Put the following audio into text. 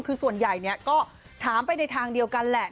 คือส่วนใหญ่ก็ถามไปในทางเดียวกันแหละ